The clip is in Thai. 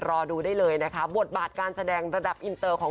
รอดูได้เลยนะคะบทบาทการแสดงระดับอินเตอร์ของ